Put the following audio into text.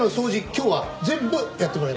今日は全部やってもらいます。